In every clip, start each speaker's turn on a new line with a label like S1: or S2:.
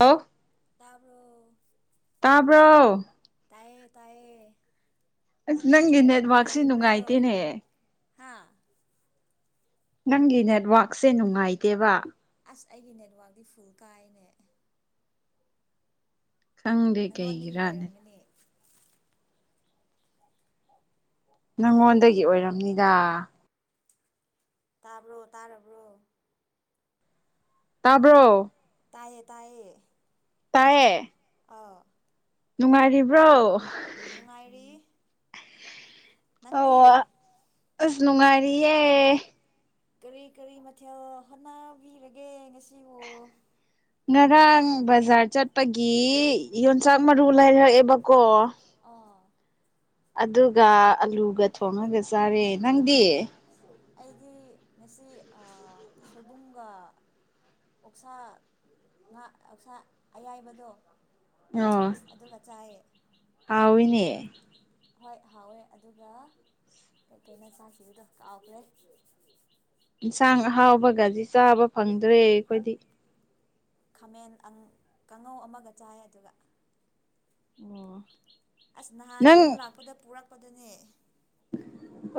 S1: ꯑꯣ
S2: ꯇꯥꯕ꯭ꯔꯣ
S1: ꯇꯥꯕ꯭ꯔꯣ
S2: ꯇꯥꯏꯌꯦ ꯇꯥꯏꯌꯦ ꯅꯨꯡꯉꯥꯏ ꯅꯨꯡꯉꯥꯏꯔꯤꯕ꯭ꯔꯣ ꯍꯥꯥ
S1: ꯅꯪꯒꯤ ꯅꯦꯠꯋꯥꯛꯁꯦ ꯅꯨꯡꯉꯥꯏꯇꯦꯕꯥ
S2: ꯑꯁ ꯑꯩꯒꯤ ꯅꯦꯠꯋꯥꯛꯇꯤ ꯐꯨꯜ ꯀꯥꯏꯅꯦ ꯅꯪꯉꯣꯟꯗꯒꯤ ꯑꯣꯏꯔꯝꯒꯅꯤ
S1: ꯅꯪꯉꯣꯟꯗꯒꯤ ꯑꯣꯏꯔꯝꯅꯤꯗ
S2: ꯇꯥꯕ꯭ꯔꯣ ꯇꯥꯔꯕ꯭ꯔꯣ
S1: ꯇꯥꯕ꯭ꯔꯣ
S2: ꯇꯥꯏꯌꯦ ꯇꯥꯏꯌꯦ
S1: ꯇꯥꯏꯌꯦ
S2: ꯑꯧ
S1: ꯅꯨꯡꯉꯥꯏꯔꯤꯕ꯭ꯔꯣ
S2: ꯅꯨꯡꯉꯥꯏꯔꯤ
S1: ꯑꯧ ꯑꯥ ꯑꯁ ꯅꯨꯡꯉꯥꯏꯔꯤꯌꯦ
S2: ꯀꯔꯤ ꯀꯔꯤ ꯃꯊꯦꯜ ꯍꯣꯠꯅꯕꯤꯔꯒꯦ ꯉꯁꯤꯕꯨ
S1: ꯉꯔꯥꯡ ꯕꯖꯥꯔ ꯆꯠꯄꯒꯤ ꯌꯣꯟꯆꯥꯛ ꯃꯔꯨ ꯂꯩꯔꯛꯑꯦꯕꯀꯣ
S2: ꯑꯥ
S1: ꯑꯗꯨꯒ ꯑꯂꯨꯒ ꯊꯣꯡꯉꯒ ꯆꯥꯔꯦ ꯅꯪꯗꯤ
S2: ꯁ ꯑꯩꯗꯤ ꯉꯁꯤ ꯑ ꯁꯣꯏꯕꯨꯝꯒ ꯑꯣꯛꯁꯥ ꯉꯥ ꯑꯣꯛꯁꯥ ꯑꯌꯥꯏꯕꯗꯣ
S1: ꯑꯣ ꯇꯥꯎꯏꯅꯦ
S2: ꯍꯣꯏ ꯍꯥꯎꯋꯦ ꯑꯗꯨꯒ ꯀꯩ ꯀꯩꯅꯣ ꯆꯥꯈꯤꯕꯗꯣ ꯀꯥꯎꯈ꯭ꯔꯦ
S1: ꯏꯟꯁꯥꯡ ꯑꯍꯥꯎꯕꯒꯗꯤ ꯆꯥꯕ ꯐꯪꯗ꯭ꯔꯦ ꯑꯩꯈꯣꯏꯗꯤ
S2: ꯈꯥꯃꯦꯟ ꯑ ꯀꯥꯡꯉꯧ ꯑꯃꯒ ꯆꯥꯏ ꯑꯗꯨꯒ
S1: ꯑꯣ
S2: ꯑꯁ ꯅꯍꯥꯟ ꯌꯨꯝ ꯂꯥꯛꯄꯗ ꯄꯨꯔꯛꯄꯗꯨꯅꯦ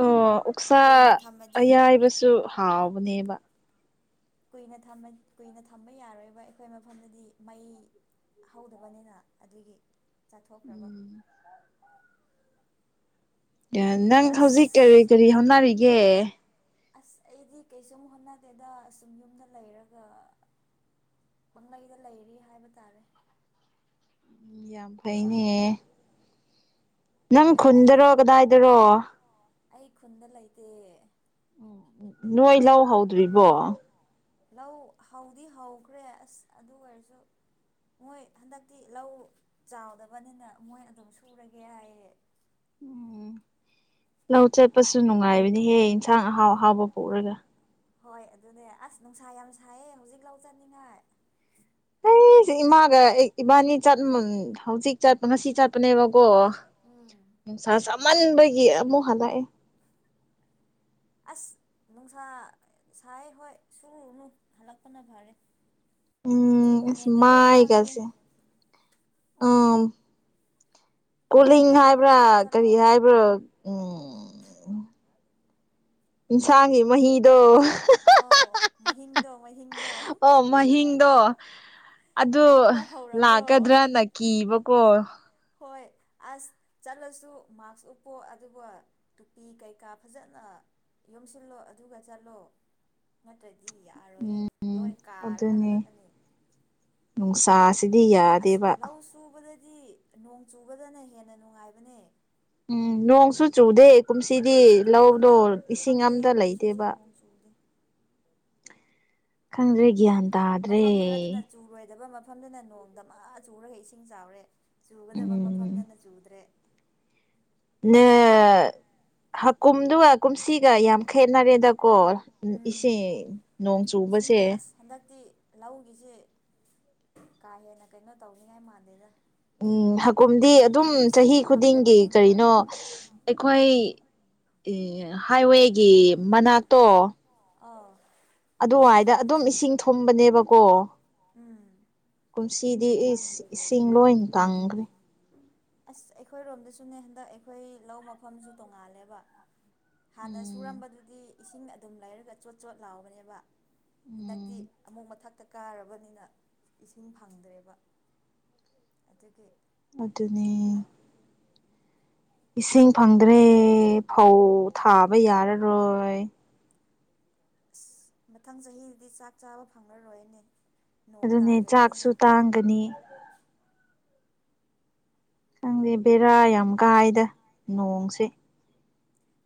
S1: ꯑꯣ ꯎꯛꯁꯥ ꯑꯌꯥꯏꯕꯁꯨ ꯍꯥꯎꯕꯅꯦꯕ
S2: ꯀꯨꯏꯅ ꯊꯝꯃ ꯀꯨꯏꯅ ꯊꯝꯕ ꯌꯥꯔꯣꯏꯕ ꯑꯩꯈꯣꯏ ꯃꯐꯝꯗꯗꯤ ꯃꯩ ꯍꯧꯗꯕꯅꯤꯅ ꯑꯗꯨꯒꯤ ꯆꯥꯊꯣꯛꯈ꯭ꯔꯕ
S1: ꯅꯪ ꯍꯧꯖꯤꯛ ꯀꯔꯤ ꯀꯔꯤ ꯍꯧꯅꯔꯤꯒꯦ
S2: ꯑꯁ ꯑꯩꯗꯤ ꯀꯩꯁꯨꯝ ꯍꯣꯠꯅꯗꯦꯗ ꯑꯁꯨꯝ ꯌꯨꯝꯗ ꯂꯩꯔꯒ ꯄꯪꯩꯂꯩꯗ ꯂꯩꯔꯤ ꯍꯥꯏꯕ ꯇꯥꯔꯦ
S1: ꯌꯥꯝ ꯐꯩꯅꯦ ꯅꯪ ꯈꯨꯟꯗꯔꯣ ꯀꯗꯥꯏꯗꯔꯣ
S2: ꯑꯩ ꯈꯨꯟꯗ ꯂꯩꯇꯦꯑꯦ
S1: ꯅꯣꯏ ꯂꯧ ꯍꯧꯗ꯭ꯔꯤꯕꯣ
S2: ꯂꯧ ꯍꯧꯗꯤ ꯍꯧꯈ꯭ꯔꯦ ꯑꯁ ꯑꯗꯨ ꯑꯣꯏꯔꯁꯨ ꯃꯣꯏ ꯍꯟꯗꯛꯇꯤ ꯂꯧ ꯆꯥꯎꯗꯕꯅꯤꯅ ꯃꯣꯏ ꯑꯗꯨꯝ ꯁꯨꯔꯒꯦ ꯍꯥꯏꯌꯦ
S1: ꯎꯝ ꯂꯧ ꯆꯠꯄꯁꯨ ꯅꯨꯡꯉꯥꯏꯕꯅꯤꯍꯦ ꯏꯟꯁꯥꯡ ꯑꯍꯥꯎ ꯑꯍꯥꯎꯕ ꯄꯨꯔꯒ
S2: ꯍꯣꯏ ꯑꯗꯨꯅꯦ ꯑꯁ ꯅꯨꯡꯁꯥ ꯌꯥꯝ ꯁꯥꯏꯌꯦ ꯍꯧꯖꯤꯛ ꯂꯧ ꯆꯠꯅꯤꯡꯉꯥꯏ
S1: ꯏ ꯏꯃꯥꯒ ꯑꯩ ꯏꯕꯥꯅꯤ ꯍꯧꯖꯤꯛ ꯆꯠꯄ ꯉꯁꯤ ꯆꯠꯄꯅꯦꯕꯀꯣ
S2: ꯎꯝ
S1: ꯅꯨꯡꯁꯥꯥ ꯁꯥꯃꯟꯕꯒꯤ ꯑꯃꯨꯛ ꯍꯜꯂꯛꯑꯦ
S2: ꯑꯁ ꯅꯨꯡꯁꯥ ꯁꯥꯏ ꯍꯣꯏ ꯁꯨꯔꯨꯅꯨ ꯍꯜꯂꯛꯄꯅ ꯐꯔꯦ ꯀꯆꯨ ꯀꯨꯃꯦꯟꯒ ꯂꯣꯏ ꯃꯥꯡꯒꯅꯤ
S1: ꯑꯥꯃ ꯀꯣꯂꯤꯡ ꯍꯥꯏꯕ꯭ꯔꯥ ꯀꯔꯤ ꯍꯥꯏꯕ꯭ꯔꯥ ꯏꯟꯁꯥꯡꯒꯤ ꯃꯍꯤꯗꯣ
S2: ꯑꯥꯎ ꯃꯍꯤꯡꯗꯣ ꯃꯍꯤꯡꯗꯣ
S1: ꯑꯣ ꯃꯍꯤꯡꯗꯣ ꯑꯗꯨ ꯂꯥꯛꯀꯗ꯭ꯔꯅ ꯀꯤꯕꯀꯣ
S2: ꯍꯣꯏ ꯑꯁ ꯆꯠꯂꯁꯨ ꯃꯥꯛꯁ ꯎꯞꯄꯣ ꯑꯗꯨꯒ ꯇꯨꯄꯤ ꯀꯩꯀꯥ ꯐꯖꯅ ꯌꯣꯝꯁꯤꯜꯂꯣ ꯑꯗꯨꯒ ꯆꯠꯂꯣ ꯅꯠꯇ꯭ꯔꯥ ꯗꯤ ꯌꯥꯔꯣꯏꯌꯦ ꯂꯣꯏ ꯀꯥꯔꯒ ꯍꯜꯂꯛꯀꯅꯤ ꯑꯁ ꯂꯧ ꯁꯨꯕꯗꯗꯤ ꯅꯣꯡ ꯆꯨꯕꯒꯅ ꯍꯦꯟꯅ ꯅꯨꯡꯉꯥꯏꯕꯅꯦ
S1: ꯎꯝ ꯅꯣꯡꯁꯨ ꯆꯨꯗꯦ ꯀꯨꯝꯁꯤꯗꯤ ꯂꯧꯗꯣ ꯏꯁꯤꯡ ꯑꯝꯇ ꯂꯩꯇꯦꯕ
S2: ꯑꯗ
S1: ꯈꯪꯗ꯭ꯔꯦ ꯒ꯭ꯌꯥꯟ
S2: ꯃꯐꯝ ꯈꯔꯗꯅ ꯆꯨꯔꯣꯏꯗꯕ ꯃꯐꯝꯗꯅ ꯅꯣꯡꯗ ꯗꯥꯃ ꯆꯨꯔꯒ ꯏꯁꯤꯡ ꯆꯥꯎꯔꯦ ꯆꯨꯒꯗꯕ ꯃꯐꯝꯗꯅ ꯆꯨꯗ꯭ꯔꯦ
S1: ꯅꯦ ꯍꯀꯨꯝꯗꯨꯑ ꯀꯨꯝꯁꯤꯒ ꯌꯥꯝ ꯈꯦꯠꯅꯔꯦꯗꯀꯣ ꯏꯁꯤꯡ ꯅꯣꯡ ꯆꯨꯕꯁꯦ
S2: ꯍꯟꯗꯛꯇꯤ ꯂꯧꯒꯤꯁꯤ ꯀꯥ ꯍꯦꯟꯅ ꯀꯩꯅꯣ ꯇꯧꯅꯤꯉꯥꯏ ꯃꯥꯟꯗꯦꯗ
S1: ꯎꯝ ꯍꯥꯀꯨꯝꯗꯤ ꯑꯗꯨꯝ ꯆꯍꯤ ꯈꯨꯗꯤꯡꯒꯤ ꯀꯔꯤꯅꯣ ꯑꯩꯈꯣꯏ ꯍꯥꯏꯋꯦꯒꯤ ꯃꯅꯥꯛꯇꯣ
S2: ꯑꯥ
S1: ꯑꯗꯨꯋꯥꯏꯗ ꯑꯗꯨꯝ ꯏꯁꯤꯡ ꯊꯨꯝꯕꯅꯦꯕꯀꯣ
S2: ꯎꯝ
S1: ꯀꯨꯝꯁꯤꯗꯤ ꯏꯁ ꯏꯁꯤꯡ ꯂꯣꯏꯟ ꯀꯪꯈ꯭ꯔꯦ
S2: ꯑꯁ ꯑꯩꯈꯣꯏꯔꯣꯝꯗꯁꯨꯅꯦ ꯍꯟꯗꯛ ꯑꯩꯈꯣꯏ ꯂꯧ ꯃꯐꯝꯁꯨ ꯇꯣꯡꯉꯥꯜꯂꯦꯕ ꯍꯥꯟꯅ ꯁꯨꯔꯝꯕꯗꯨꯗꯤ ꯏꯁꯤꯡ ꯑꯗꯨꯝ ꯂꯩꯔꯒ ꯆꯣꯠ ꯆꯣꯠ ꯂꯥꯎꯕꯅꯦꯕ ꯍꯟꯗꯛꯇꯤ ꯑꯃꯨꯛ ꯃꯊꯛꯇ ꯀꯥꯔꯕꯅꯤꯅ ꯏꯁꯤꯡ ꯐꯪꯗ꯭ꯔꯦꯕ ꯑꯗꯨꯒꯤ
S1: ꯑꯗꯨꯅꯦ ꯏꯁꯤꯡ ꯐꯪꯗ꯭ꯔꯦ ꯐꯧ ꯊꯥꯕ ꯌꯥꯔꯔꯣꯏ
S2: ꯑꯁ ꯃꯊꯪ ꯆꯍꯤꯗꯗꯤ ꯆꯥꯛ ꯆꯥꯕ ꯐꯪꯂꯔꯣꯏꯅꯦ ꯅꯣꯡ ꯇꯥꯗꯕꯅꯤꯅ
S1: ꯇꯥꯡꯒꯅꯤ ꯈꯪꯗꯦ ꯕꯦꯔꯥ ꯌꯥꯝ ꯀꯥꯏꯗ ꯅꯣꯡꯁꯦ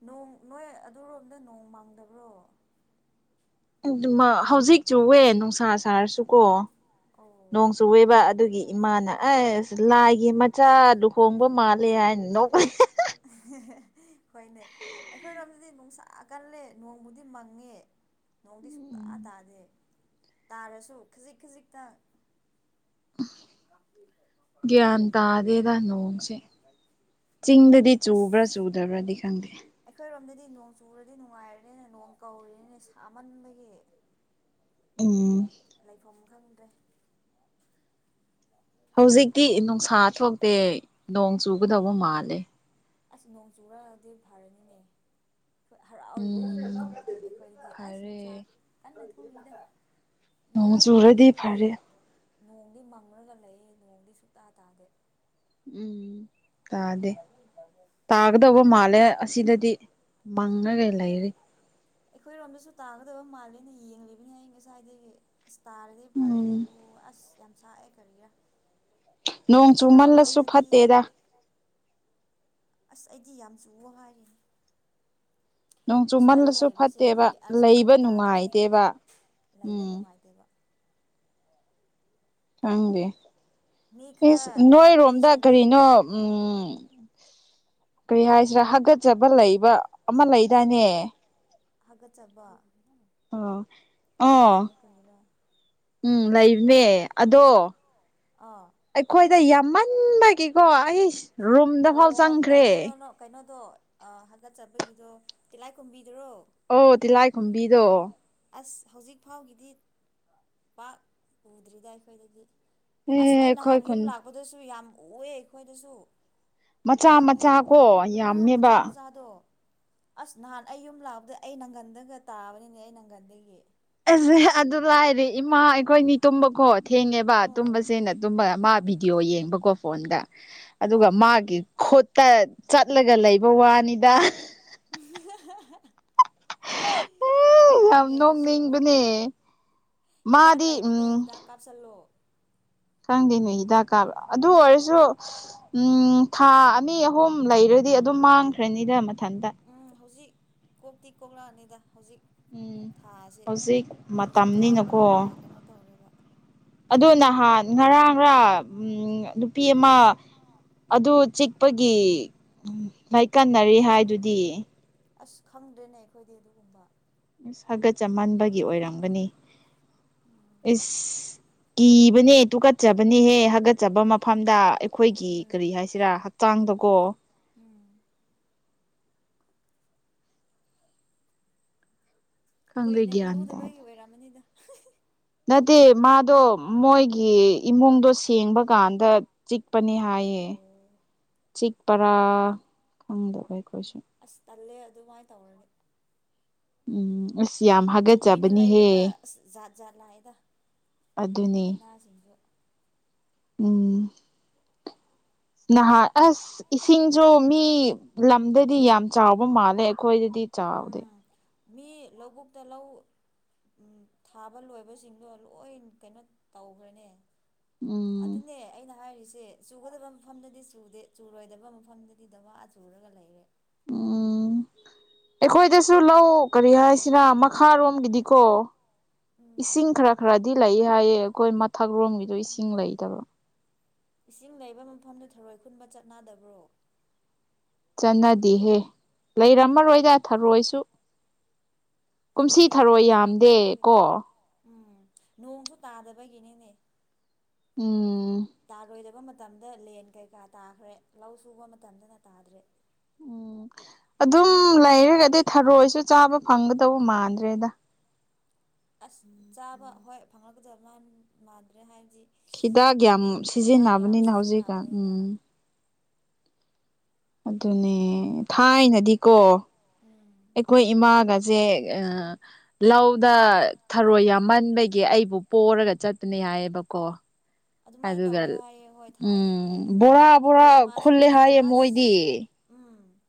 S2: ꯅꯣꯡ ꯅꯣꯏ ꯑꯗꯨꯔꯣꯝꯗ ꯅꯣꯡ ꯃꯪꯗꯕ꯭ꯔꯣ
S1: [unintelligible] ꯍꯧꯖꯤꯛ ꯆꯨꯋꯦ ꯅꯨꯡꯁꯥ ꯁꯥꯔꯁꯨꯀꯣ ꯅꯣꯡ ꯆꯨꯋꯦꯕ ꯑꯗꯨꯒꯤ ꯏꯃꯥꯅ ꯑꯩꯁ ꯂꯥꯏꯒꯤ ꯃꯆꯥ ꯂꯨꯍꯣꯡꯕ ꯃꯥꯜꯂꯦ ꯍꯥꯏꯅ ꯅꯣꯛꯄꯅꯦ
S2: [unintelligible] ꯍꯣꯏꯅꯦ ꯑꯩꯈꯣꯏꯔꯣꯝꯗꯗꯤ ꯅꯨꯡꯁꯥꯀꯜꯂꯦ ꯅꯣꯡꯕꯨꯗꯤ ꯃꯪꯉꯦ ꯅꯣꯡꯗꯤ ꯁꯨꯛꯇꯥ ꯇꯥꯗꯦ ꯇꯥꯔꯁꯨ ꯈꯖꯤꯛ ꯈꯖꯤꯛꯇ
S1: ꯒ꯭ꯌꯥꯟ ꯇꯥꯗꯦꯗ ꯅꯣꯡꯁꯦ ꯆꯤꯡꯗ ꯗꯗꯤ ꯆꯨꯕ꯭ꯔꯥ ꯆꯨꯗꯕ꯭ꯔꯗꯤ ꯈꯪꯗꯦ
S2: ꯑꯩꯈꯣꯏꯔꯣꯝꯗꯗꯤ ꯅꯣꯡ ꯆꯨꯔꯗꯤ ꯅꯨꯡꯉꯥꯏꯔꯅꯤꯅ ꯅꯣꯡ ꯀꯧꯔꯤꯅꯤꯅꯦ ꯁꯥꯃꯟꯕꯒꯤ
S1: ꯎꯝ
S2: ꯂꯩꯐꯝ ꯈꯪꯗ꯭ꯔꯦ
S1: ꯍꯧꯖꯤꯛꯇꯤ ꯅꯨꯡꯁꯥ ꯊꯣꯛꯇꯦ ꯅꯣꯡ ꯆꯨꯒꯗꯧꯕ ꯃꯥꯜꯂꯦ
S2: ꯑꯁ ꯅꯣꯡ ꯆꯨꯨꯔꯛꯑꯗꯤ ꯐꯥꯔꯅꯤꯅꯦ ꯍꯔꯥꯎꯔꯤꯅꯤꯅꯦ ꯅꯣꯡꯆꯨꯔꯗꯤ ꯑꯩꯈꯣꯏꯗꯗꯤ ꯑꯁ ꯅꯨꯡꯁꯥ ꯀꯟꯅ ꯊꯣꯡꯏꯗ ꯃꯔꯛ ꯃꯔꯛꯇꯕꯨꯗꯤ ꯅꯣꯡꯗꯤ ꯃꯪꯔꯒ ꯂꯩꯌ‌ꯦ ꯅꯣꯡꯗꯤ ꯁꯨꯛꯇꯥ ꯇꯥꯗꯦ
S1: ꯎꯝ ꯇꯥꯗꯦ ꯇꯥꯒꯗꯧꯕ ꯃꯥꯜꯂꯦ ꯑꯁꯤꯗꯗꯤ ꯃꯪꯉꯒ ꯂꯩꯔꯤ
S2: ꯑꯩꯈꯣꯏꯔꯣꯝꯗꯁꯨ ꯇꯥꯒꯗꯕ ꯃꯥꯜꯂꯦꯅ‌ ꯌꯦꯡꯂꯤꯕꯅꯦ ꯑꯩ ꯉꯁꯥꯏꯗꯒꯤ ꯑꯁ ꯇꯥꯔꯗꯤ ꯐꯔꯦ ꯏꯔꯨ ꯑꯁ ꯌꯥꯝ ꯁꯥꯏꯑꯦ ꯀꯔꯤꯔ ꯃꯤ ꯈ꯭ꯔꯥ ꯃꯐꯝꯗꯗꯤ ꯑꯁ ꯑꯩꯗꯤ ꯌꯥꯝ ꯆꯨꯋꯣ ꯍꯥꯏꯔꯤ ꯑꯁ꯭ꯋꯥꯏꯗ ꯂꯩꯕꯁꯤꯡꯗꯤ ꯑꯁ ꯅꯣꯡ ꯇꯥꯗ꯭ꯔꯗꯤꯀꯣ ꯂꯩꯕ ꯅꯨꯡꯉꯥꯏꯇꯦꯕ
S1: ꯈꯪꯗꯦ ꯏꯁ ꯅꯣꯏꯔꯣꯝꯗ ꯀꯔꯤꯅꯣ ꯎꯝ ꯀꯔꯤ ꯍꯥꯏꯁꯤꯔꯥ ꯍꯥꯒꯠꯆꯕ ꯂꯩꯕ ꯑꯃ ꯂꯩꯗꯥꯏꯅꯦ
S2: ꯍꯥꯒꯠꯆꯥꯕ
S1: ꯑꯥ
S2: ꯍꯒꯠꯆꯕ ꯀꯔꯤꯔꯥ
S1: ꯎꯝ ꯂꯩꯕꯅꯦ ꯑꯗꯣ
S2: ꯑꯥ
S1: ꯑꯩꯈꯣꯏꯗ ꯌꯥꯝꯃꯟꯕꯒꯤꯀꯣ ꯑꯩꯁ ꯔꯨꯝꯗꯐꯥꯎ ꯆꯪꯈ꯭ꯔꯦ
S2: ꯅꯣ ꯀꯩꯅꯣꯗꯣ ꯑꯥ ꯍꯥꯀꯠꯆꯕꯒꯤꯗꯣ ꯇꯤꯂꯥꯏ ꯀꯨꯝꯕꯤꯗꯨꯔꯣ
S1: ꯑꯣ ꯇꯤꯜꯂꯥꯏ ꯈꯣꯝꯕꯤꯗꯣ
S2: ꯑꯁ ꯍꯧꯖꯤꯛ ꯐꯥꯎꯒꯤꯗꯤ ꯄꯥꯛ ꯎꯗ꯭ꯔꯤꯗ ꯑꯩꯈꯣꯏꯗꯗꯤ ꯑꯁ ꯑꯩ ꯅꯍꯥꯟ ꯌꯨꯝ ꯂꯥꯛꯄꯗꯁꯨ ꯌꯥꯝ ꯎꯌꯦ ꯑꯩꯈꯣꯏꯗꯁꯨ ꯌꯥꯝꯃꯦ [unintelligible] ꯎꯝ ꯃꯆꯥ ꯃꯆꯥꯗꯣ ꯑꯁ ꯅꯍꯥꯟ ꯑꯩ ꯌꯨꯝ ꯂꯥꯛꯄꯗ ꯑꯩ ꯅꯪꯒꯟꯗꯒ ꯇꯥꯕꯅꯤꯅꯦ ꯑꯩ ꯅꯪꯒꯟꯗꯒꯤ
S1: ꯑꯁꯦ ꯑꯗꯨ ꯂꯥꯏꯔꯦ ꯏꯃꯥ ꯑꯩꯈꯣꯏꯅꯤ ꯇꯨꯝꯕꯀꯣ ꯊꯦꯡꯉꯦꯕ ꯇꯨꯝꯃꯁꯦꯅ ꯇꯨꯝꯕ ꯃꯥ ꯚꯤꯗꯤꯑꯣ ꯌꯦꯡꯕꯀꯣ ꯐꯣꯟꯗ ꯑꯗꯨꯒ ꯃꯥꯒꯤ ꯈꯨꯠꯇ ꯆꯠꯂꯒ ꯂꯩꯕ ꯋꯥꯅꯤꯗ
S2: [inaudible] ꯌꯥꯏꯅꯦ ꯑꯗꯨꯁꯨ ꯍꯤꯗꯥꯛ ꯂꯩꯕꯅꯦ ꯍꯤꯗꯥꯛ ꯀꯥꯞꯁꯤꯜꯂꯣ
S1: ꯈꯪꯗꯦꯅꯦ ꯍꯤꯗꯥꯛ ꯀꯥꯞ ꯑꯗꯨ ꯑꯣꯏꯔꯁꯨ ꯎꯝ ꯊꯥ ꯑꯅꯤ ꯑꯍꯨꯝ ꯂꯩꯔꯗꯤ ꯑꯗꯨꯝ ꯃꯥꯡꯈ꯭ꯔꯅꯤꯗ ꯃꯊꯟꯇ
S2: ꯎꯝ ꯍꯧꯖꯤꯛ ꯀꯣꯛꯇꯤ ꯀꯣꯛꯂꯛꯑꯅꯤꯗ ꯍꯧꯖꯤꯛ ꯊꯥꯁꯦ ꯅꯣꯡꯖꯨ ꯊꯥ ꯀꯔꯤ ꯀꯔꯥ ꯀꯩꯅꯣ ꯇꯧꯔꯦꯕ
S1: ꯑꯗ ꯅꯍꯥꯟ ꯉꯔꯥꯡꯂ ꯅꯨꯄꯤ ꯑꯃ
S2: ꯑꯥ
S1: ꯑꯗꯨ ꯆꯤꯛꯄꯒꯤ ꯂꯩꯀꯟꯅꯔꯤ ꯍꯥꯏꯗꯨꯗꯤ
S2: ꯑꯁ ꯈꯪꯗ꯭ꯔꯦꯅꯦ ꯑꯩꯈꯣꯏꯗꯤ ꯑꯗꯨꯒꯨꯝꯕ
S1: ꯏꯁ ꯍꯥꯒꯠꯆꯃꯟꯕꯒꯤ ꯑꯣꯏꯔꯝꯒꯅꯤ ꯏꯁ ꯀꯤꯕꯅꯦ ꯇꯨꯀꯠꯆꯕꯅꯦꯍꯦ ꯍꯥꯀꯠꯆꯕ ꯃꯐꯝꯗ ꯑꯩꯈꯣꯏꯒꯤ ꯀꯔꯤ ꯍꯥꯏꯁꯤꯔꯥ ꯆꯥꯡꯗꯀꯣ
S2: ꯎꯝ ꯀꯨꯏꯅ ꯏꯔꯨꯗꯕꯒꯤ ꯑꯣꯏꯔꯝꯃꯅꯤꯗ
S1: ꯅꯠꯇꯦ ꯃꯥꯗꯣ ꯃꯣꯏꯒꯤ ꯏꯃꯨꯡꯗꯣ ꯁꯦꯡꯕꯀꯥꯟꯗ ꯆꯤꯛꯄꯅꯤ ꯍꯥꯏꯌꯦ ꯆꯤꯛꯄꯔꯥ ꯈꯪꯗꯕ ꯑꯩꯈꯣꯏꯁꯨ
S2: ꯑꯁ ꯇꯜꯂꯦ ꯑꯗꯨꯃꯥꯏꯅ ꯇꯧꯔꯅꯤ
S1: ꯎꯝꯁꯤ ꯌꯥꯝꯝ ꯍꯥꯏ [inaudible]
S2: ꯀꯨꯏꯅ ꯂꯩꯔꯒ ꯑꯁ ꯖꯥꯠ ꯖꯥꯠ ꯂꯥꯛꯑꯦꯗ ꯂꯥꯏꯅꯥꯁꯤꯡꯁꯦ
S1: ꯎꯝ ꯅꯍꯥ ꯑꯁ ꯏꯁꯤꯡꯁꯨ ꯃꯤ ꯂꯝꯗꯗꯤ ꯌꯥꯝ ꯆꯥꯎꯕ ꯃꯥꯜꯂꯦ ꯑꯩꯈꯣꯏꯗꯗꯤ ꯆꯥꯎꯗꯦ
S2: ꯃꯤ ꯂꯧꯕꯨꯛꯇ ꯂꯧ ꯊꯥꯕ ꯂꯣꯏꯕꯁꯤꯡꯗꯣ ꯂꯣꯏ ꯀꯩꯅꯣ ꯇꯧꯈ꯭ꯔꯅꯦ ꯑꯗꯨꯅꯦ ꯑꯩꯅ ꯍꯥꯏꯔꯤꯁꯦ ꯆꯨꯒꯗꯕ ꯃꯐꯝꯗꯗꯤ ꯆꯨꯗꯦ ꯆꯨꯔꯣꯏꯗꯕ ꯃꯐꯝꯗꯗꯤ ꯗꯥꯃꯥ ꯆꯨꯔꯒ ꯂꯩꯔꯦ [unintelligible]
S1: ꯑꯩꯈꯣꯏꯗꯁꯨ ꯂꯧ ꯀꯔꯤ ꯍꯥꯏꯁꯤꯔꯥ ꯃꯈꯥꯔꯣꯝꯒꯤꯗꯤꯀꯣ ꯏꯁꯤꯡ ꯈꯔ ꯈꯔꯗꯤ ꯂꯩ ꯍꯥꯏꯌꯦ ꯑꯩꯈꯣꯏ ꯃꯊꯛꯔꯣꯝꯒꯤꯗꯣ ꯏꯁꯤꯡ ꯂꯩꯇꯕ
S2: ꯏꯁꯤꯡ ꯂꯩꯕ ꯃꯐꯝꯗꯨ ꯊꯔꯣꯏ ꯈꯨꯟꯕ ꯆꯠꯅꯗꯕ꯭ꯔꯣ
S1: ꯆꯠꯅꯗꯦꯍꯦ ꯂꯩꯔꯝꯃꯔꯣꯏꯗ ꯊꯔꯣꯏꯁꯨ ꯀꯨꯝꯁꯤ ꯊꯔꯣꯏ ꯌꯥꯝꯗꯦ ꯀꯣ
S2: ꯎꯝ ꯅꯣꯡꯁꯨ ꯇꯥꯗꯕꯒꯤꯅꯤꯅꯦ
S1: ꯎꯝ
S2: ꯇꯥꯔꯣꯏꯗꯕ ꯃꯇꯝꯗ ꯂꯦꯟ ꯀꯩꯀꯥ ꯇꯥꯈ꯭ꯔꯦ ꯂꯧ ꯁꯨꯕ ꯃꯇꯝꯗꯅ ꯇꯥꯗ꯭ꯔꯦ
S1: ꯎꯝ ꯑꯗꯨꯝ ꯂꯩꯔꯒꯗꯤ ꯊꯔꯣꯏꯁꯨ ꯆꯥꯕ ꯐꯪꯒꯗꯕ ꯃꯥꯟꯗ꯭ꯔꯦꯗ
S2: ꯑꯁ ꯆꯥꯕ ꯍꯣꯏ ꯐꯪꯂꯛꯀꯗꯕ ꯃ ꯃꯥꯟꯗ꯭ꯔꯦ ꯍꯥꯏꯕꯗꯤ
S1: ꯍꯤꯗꯥꯛ ꯌꯥꯝ ꯁꯤꯖꯤꯟꯅꯕꯅꯤꯅ ꯍꯧꯖꯤꯛꯒꯥꯟ ꯎꯝ ꯑꯗꯨꯅꯦ ꯊꯥꯏꯅꯗꯤꯀꯣ
S2: ꯎꯝ
S1: ꯑꯩꯈꯣꯏ ꯏꯃꯥꯒꯁꯦ ꯂꯧꯗ ꯊꯔꯣꯏ ꯌꯥꯝꯃꯟꯕꯒꯤ ꯑꯩꯕꯨ ꯄꯣꯔꯒ ꯆꯠꯕꯅꯦ ꯍꯥꯏꯑꯦꯕꯀꯣ ꯑꯗꯨꯒ ꯎꯝ ꯕꯣꯔꯥ ꯕꯣꯔꯥ ꯈꯨꯜꯂꯦ ꯍꯥꯏꯌꯦ ꯃꯣꯏꯗꯤ
S2: ꯎꯝ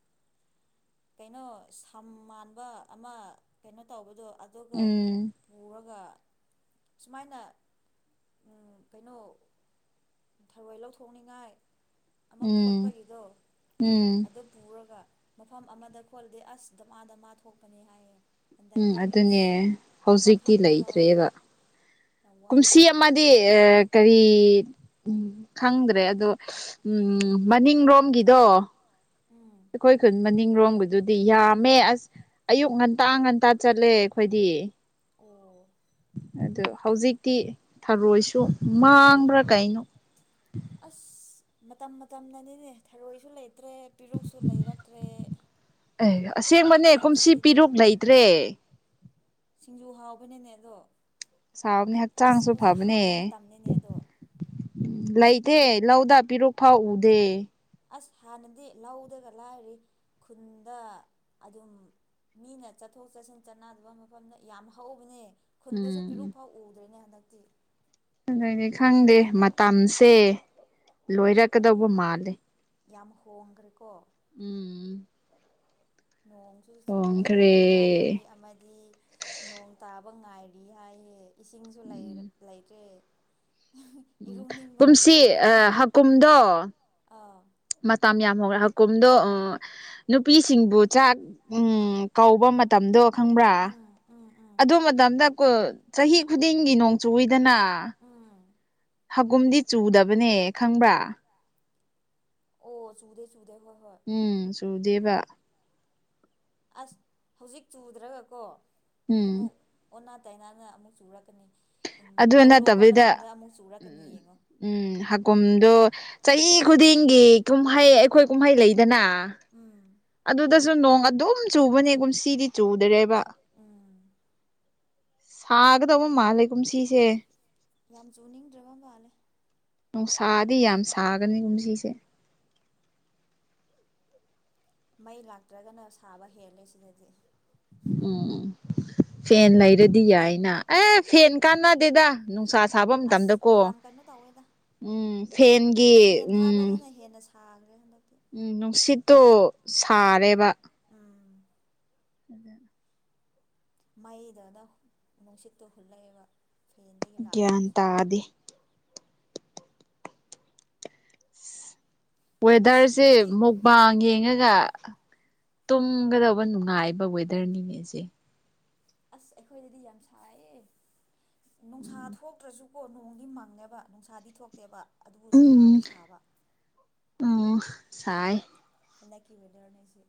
S2: ꯀꯩꯅꯣ ꯁꯝ ꯃꯥꯟꯕ ꯑꯃ ꯀꯩꯅꯣ ꯇꯧꯕꯗꯣ ꯑꯗꯨꯒ ꯄꯨꯔꯒ ꯁꯨꯃꯥꯏꯅ ꯀꯩꯅꯣ ꯊꯔꯣꯏ ꯂꯧꯊꯣꯛꯅꯤꯉꯥꯏ ꯑꯃ ꯈꯣꯠꯄꯒꯤꯗꯣ ꯑꯗꯨ ꯄꯨꯔꯒ ꯃꯐꯝ ꯑꯃꯗ ꯈꯣꯠꯂꯗꯤ ꯑꯁ ꯗꯃꯥ ꯗꯃꯥ ꯊꯣꯛꯄꯅꯦ ꯍꯥꯏꯌꯦ ꯍꯟꯗꯛꯇꯤ ꯑꯦꯁ ꯑꯃ ꯐꯪꯕ ꯐꯥꯎꯑꯣ
S1: ꯀꯨꯝꯁꯤ ꯑꯃꯗꯤ ꯑ ꯀꯔꯤ ꯈꯪꯗ꯭ꯔꯦ ꯑꯗꯣ ꯎꯝ ꯃꯅꯤꯡꯔꯣꯝꯒꯤꯗꯣ ꯑꯈꯣꯏ ꯈꯨꯟ ꯃꯅꯤꯡꯔꯣꯝꯒꯤꯗꯨꯗꯤ ꯌꯥꯝꯃꯦ ꯑꯁ ꯑꯌꯨꯛ ꯉꯟꯇꯥ ꯉꯟꯇꯥ ꯆꯠꯂꯦ ꯑꯩꯈꯣꯏꯗꯤ
S2: ꯑꯣ
S1: ꯑꯗꯨ ꯍꯧꯖꯤꯛꯇꯤ ꯊꯔꯣꯏꯁꯨ ꯃꯥꯡꯕ꯭ꯔꯥ ꯀꯩꯅꯣ
S2: ꯑꯁ ꯃꯇꯝ ꯃꯇꯝꯅꯅꯤꯅꯦ ꯊꯔꯣꯏꯁꯨ ꯂꯩꯇ꯭ꯔꯦ ꯄꯤꯔꯨꯛꯁꯨ ꯂꯩꯔꯛꯇ꯭ꯔꯦ
S1: ꯑꯦ ꯑꯁꯦꯡꯕꯅꯦ ꯀꯨꯝꯁꯤ ꯄꯤꯔꯨꯛ ꯂꯩꯇ꯭ꯔꯦ
S2: ꯁꯤꯡꯖꯨ ꯍꯥꯎꯕꯅꯤꯅꯦ ꯑꯗꯣ ꯑꯁ ꯍꯧꯖꯤꯛ ꯍꯥꯎꯕ ꯃꯇꯝꯅꯤꯅꯦ ꯑꯗꯣ
S1: ꯂꯩꯇꯦ ꯂꯧꯗꯥ ꯄꯤꯔꯨꯛ ꯐꯥꯎ ꯎꯗꯦ
S2: ꯑꯁ ꯍꯥꯟꯅꯗꯤ ꯂꯧꯗꯒ ꯂꯥꯏꯔꯤ ꯈꯨꯟꯗꯥ ꯑꯗꯨꯝ ꯃꯤꯅ ꯆꯠꯊꯣꯛ ꯆꯠꯁꯤꯟ ꯆꯠꯅꯗꯕ ꯃꯐꯝꯗ ꯌꯥꯝ ꯍꯧꯕꯅꯦ ꯈꯨꯟꯗꯁꯨ ꯄꯤꯔꯨꯛꯐꯥꯎ ꯎꯗ꯭ꯔꯦꯅꯦ ꯍꯟꯗꯛꯇꯤ
S1: ꯑꯗꯨꯅꯤ ꯈꯪꯗꯦ ꯃꯇꯝꯁꯦ ꯂꯣꯏꯔꯛꯀꯗꯧꯕ ꯃꯥꯜꯂꯦ
S2: ꯌꯥꯝ ꯍꯣꯡꯒ꯭ꯔꯦꯀꯣ
S1: ꯎꯝ
S2: ꯅꯣꯡꯁꯨ ꯆꯨꯗꯦ ꯏꯃꯥꯟꯅꯕꯤ ꯑꯃꯗꯤ ꯅꯣꯡ ꯇꯥꯕ ꯉꯥꯏꯔꯤ ꯍꯥꯏꯌꯦ ꯏꯁꯤꯡꯁꯨ ꯂꯩꯔꯛ ꯂꯩꯇ꯭ꯔꯦ
S1: ꯎꯝ ꯀꯨꯝꯁꯤ ꯑꯥ ꯍꯥꯀꯨꯝꯗꯣ ꯃꯇꯝ ꯌꯥꯝ ꯍꯣꯡꯔꯦ ꯍꯥꯀꯣꯝꯗꯣ ꯑꯥ ꯅꯨꯄꯤꯁꯤꯡꯕꯨ ꯆꯥꯛ ꯎꯝ ꯀꯧꯕ ꯃꯇꯝꯗꯣ ꯈꯪꯕ꯭ꯔꯥ ꯑꯗꯨ ꯃ ꯍꯟꯗꯛꯀ ꯆꯥꯍꯤ ꯈꯨꯗꯤꯡꯒꯤ ꯅꯣꯡ ꯆꯨꯏꯗꯅ
S2: ꯎꯝ
S1: ꯍꯥꯀꯨꯝꯗꯤ ꯆꯨꯗꯕꯅꯦ ꯈꯪꯕ꯭ꯔꯥ
S2: ꯑꯣ ꯆꯨꯗꯦ ꯆꯨꯗꯦ ꯍꯣꯏ ꯍꯣꯏ
S1: ꯎꯝ ꯆꯨꯗꯦꯕ
S2: ꯑꯁ ꯍꯧꯖꯤꯛ ꯆꯨꯗ꯭ꯔꯒꯀꯣ ꯑꯃꯨꯛ ꯑꯣꯟꯅ ꯇꯩꯅꯥꯅ ꯑꯃꯨꯛ ꯆꯨꯔꯛꯀꯅꯤ ꯎꯝ ꯂꯧ ꯂꯣꯛꯄ ꯃꯇꯝꯗ ꯑꯃꯨꯛ ꯆꯨꯔꯛꯀꯅꯤ ꯌꯦꯡꯉꯣ
S1: ꯎꯝ ꯍꯥꯀꯨꯝꯗꯣ ꯆꯥꯍꯤ ꯈꯨꯗꯤꯡꯒꯤ ꯀꯨꯝꯍꯩ ꯑꯩꯈꯣꯏ ꯀꯨꯝꯍꯩ ꯂꯩꯗꯅ
S2: ꯎꯝ
S1: ꯑꯗꯨꯗꯁꯨ ꯅꯣꯡ ꯑꯗꯨꯝ ꯆꯨꯕꯅꯦ ꯀꯨꯝꯁꯤꯗꯤ ꯆꯨꯗꯔꯦꯕ ꯁꯥꯒꯗꯕ ꯃꯥꯜꯂꯦ ꯀꯨꯝꯁꯤꯁꯦ
S2: ꯌꯥꯝ ꯆꯨꯅꯤꯡꯗ꯭ꯔꯕ ꯃꯥꯜꯂꯦ
S1: ꯅꯨꯡꯁꯥꯗꯤ ꯌꯥꯝ ꯁꯥꯒꯅꯤ ꯀꯨꯝꯁꯤꯁꯦ
S2: ꯃꯩ ꯂꯥꯛꯇ꯭ꯔꯒꯅ ꯁꯥꯕ ꯍꯦꯜꯂꯦ ꯁꯤꯗꯗꯤ
S1: ꯎꯝ ꯐꯦꯟ ꯂꯩꯔꯗꯤ ꯌꯥꯏꯅ ꯑꯦ ꯐꯦꯟ ꯀꯥꯟꯅꯗꯦꯗ ꯅꯨꯡꯁꯥ ꯁꯥꯕ ꯃꯇꯝꯗꯀꯣ ꯎꯝ ꯐꯦꯟꯒꯤ ꯎꯝ
S2: ꯁꯥꯒ꯭ꯔꯦ ꯍꯟꯗꯛꯇꯤ
S1: ꯎꯝ ꯅꯨꯡꯁꯤꯠꯇꯣ ꯁꯥꯔꯦꯕ
S2: ꯑꯥ
S1: [inaudible]
S2: ꯃꯩꯗꯗ ꯅꯨꯡꯁꯤꯠꯇꯨ ꯍꯨꯜꯂꯛꯑꯦꯕ ꯐꯦꯟꯗꯒꯤ ꯂꯥꯛꯄꯗꯨꯁꯨ
S1: ꯋꯦꯗꯔꯁꯦ ꯃꯨꯛ ꯕꯥꯡ ꯌꯦꯡꯉꯒ ꯇꯨꯝꯒꯗꯧꯕ ꯅꯨꯡꯉꯥꯏꯕ ꯋꯦꯗꯔꯅꯤꯅꯦꯁꯦ
S2: ꯑꯁ ꯑꯩꯈꯣꯏꯗꯗꯤ ꯌꯥꯝ ꯁꯥꯏꯌꯦ ꯅꯨꯡꯁꯥ ꯊꯣꯛꯇ꯭ꯔꯁꯨ ꯀꯣ ꯅꯣꯡꯗꯤ ꯃꯪꯉꯦꯕ ꯅꯨꯡꯁꯥꯗꯤ ꯊꯣꯛꯇꯦꯕ ꯑꯗꯨꯕꯨ ꯁꯥꯗꯤ ꯁꯥꯕ
S1: ꯎꯝ ꯁꯥꯏ
S2: ꯍꯟꯗꯛꯀꯤ ꯋꯦꯗꯔꯅꯦ ꯁꯤ